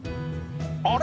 あれ？